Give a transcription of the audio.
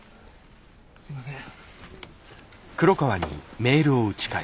すいません。